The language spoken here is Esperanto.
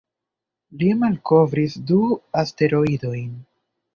Li malkovris du asteroidojn.